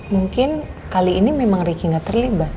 mungkin kali ini memang ricky gak terlibat